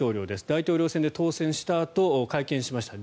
大統領選で当選したあと会見しました。